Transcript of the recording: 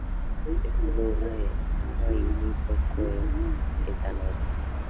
Es soluble en agua y muy poco en etanol.